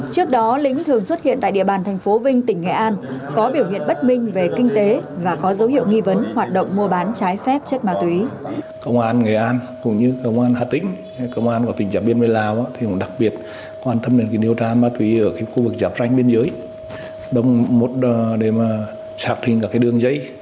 trước đó lính thường xuất hiện tại địa bàn thành phố vinh tỉnh nghệ an có biểu hiện bất minh về kinh tế và có dấu hiệu nghi vấn hoạt động mua bán trái phép chất ma túy